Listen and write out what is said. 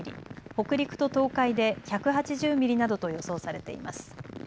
北陸と東海で１８０ミリなどと予想されています。